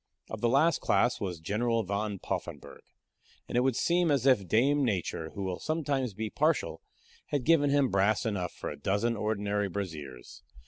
Of the last class was General Van Poffenburgh; and it would seem as if dame Nature, who will sometimes be partial, had given him brass enough for a dozen ordinary braziers.